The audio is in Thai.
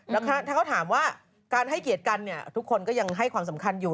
แล้วถ้าเขาถามว่าการให้เกียรติกันเนี่ยทุกคนก็ยังให้ความสำคัญอยู่